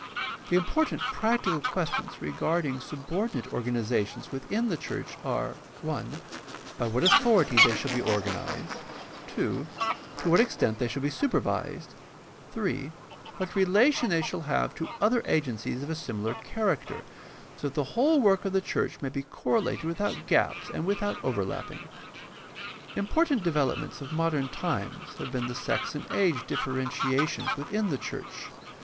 — The important practical questions regarding subordinate organizations within the church are (i) by what authority they shall be organized, (2) to what extent they shall be supervised, (3) what relation they shall have to other agencies of a similar character, so that the whole work of the church may be correlated without gaps and without overlapping. Important developments of modern times have been the sex and age differentiations within the church.